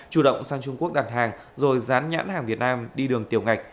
chủ động sang trung quốc đặt hàng rồi dán nhãn hàng việt nam đi đường tiểu ngạch